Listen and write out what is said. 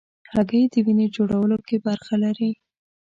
هګۍ د وینې جوړولو کې برخه لري.